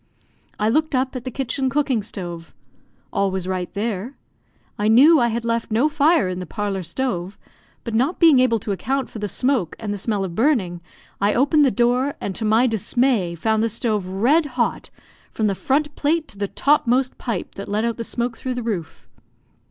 I looked up at the kitchen cooking stove. All was right there. I knew I had left no fire in the parlour stove; but not being able to account for the smoke and the smell of buring, I opened the door, and to my dismay found the stove red hot, from the front plate to the topmost pipe that let out the smoke through the roof.